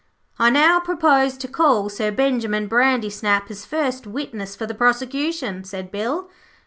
'I now propose to call Sir Benjimen Brandysnap as first witness for the prosecution,' said Bill.